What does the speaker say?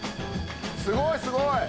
・・すごいすごい！